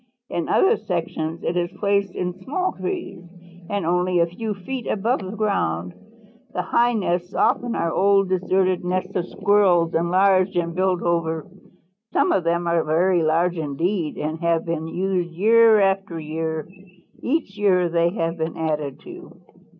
In other sections it is placed in small trees and only a few feet above the ground. The high nests often are old deserted nests of Squirrels enlarged and built over. Some of them are very large indeed and have been used year after year. Each year they have been added to.